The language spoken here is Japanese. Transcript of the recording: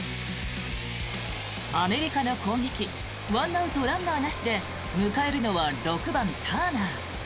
アメリカの攻撃１アウト、ランナーなしで迎えるのは６番、ターナー。